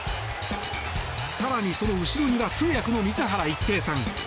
更に、その後ろには通訳の水原一平さん。